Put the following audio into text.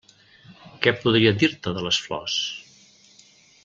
Què podria dir-te de les flors?